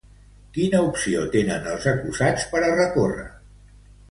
Quina opció tenen els acusats per a recórrer?